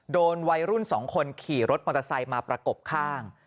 โดนวัยรุ่น๒คนขี่รถมอเตอร์ไซค์มาประกบข้าง